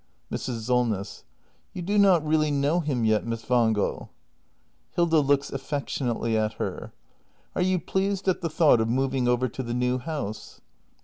Mrs. Solness. You do not really know him yet, Miss Wangel. Hilda. [Looks affectionately at her.] Are you pleased at the thought of moving over to the new house